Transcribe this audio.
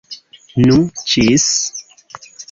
Nu, ĝis!